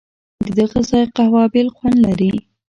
ددغه ځای قهوه بېل خوند لري.